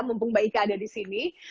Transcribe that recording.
mumpung mbak ika ada disini